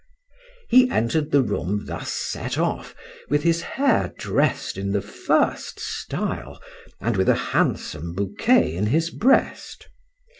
He entered the room thus set off, with his hair dressed in the first style, and with a handsome bouquet in his breast.